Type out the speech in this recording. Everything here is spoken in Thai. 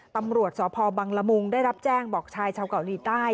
ตำรวจสพบังละมุงได้รับแจ้งบอกชายชาวเกาหลีใต้